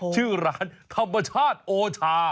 ชื่อร้านธรรมชาติโอชา